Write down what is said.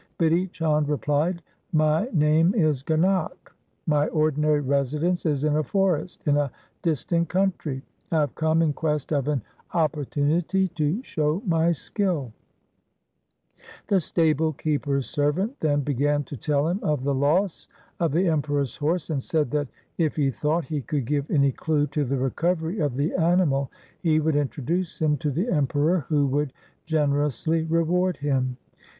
Bidhi Chand replied, ' My name is Ganak. 1 My ordinary residence is in a forest 2 in a distant country. I have come in quest of an opportunity to show my skill' The stable keeper's servant then began to tell him of the loss of the Emperor's horse, and said that, if he thought he could give any clue to the recovery of the animal, he would introduce him to the Emperor who would generously reward him.